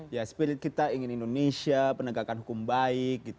ya spirit kita ingin indonesia penegakan hukum baik gitu